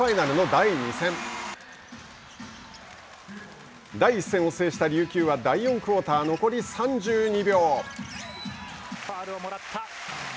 第１戦を制した琉球は第４クオーター残り３２秒。